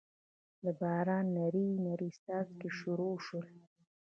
دباران نري نري څاڅکي شورو شول